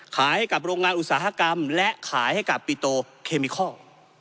ขายให้กับโรงงานอุตสาหกรรมและขายให้กับปิโตเคมิคอล